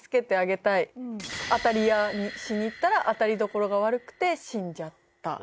当たり屋しに行ったら当たり所が悪くて死んじゃった。